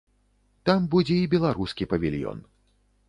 Там будзе і беларускі павільён.